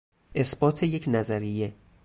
اثبات یک نظریه